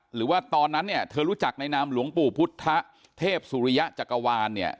หรือว่าตอนนั้นเนี่ยเธอรู้จักในนามหลวงปู่พุทธเทพสุริยะจักรวาลเนี่ย